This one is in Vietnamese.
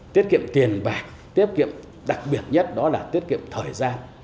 tiết kiệm tiền bạc tiết kiệm đặc biệt nhất đó là tiết kiệm thời gian